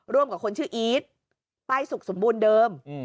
ร่วมกับคนชื่ออีทป้ายสุขสมบูรณ์เดิม